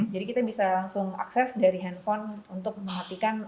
jadi kita bisa langsung akses dari handphone untuk mematikan